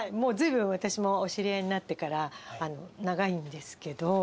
ずいぶん私もお知り合いになってから長いんですけど。